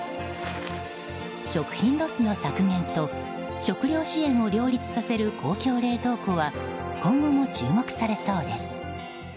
食品ロスの削減と食糧支援を両立させる公共冷蔵庫は今後も注目されそうです。